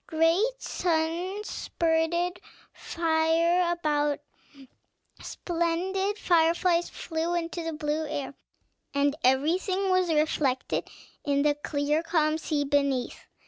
Great suns spurted fire about, splendid fireflies flew into the blue air, and everything was reflected in the clear, calm sea beneath.